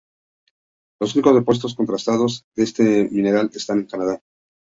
Los únicos depósitos contrastados de este mineral están en Canadá.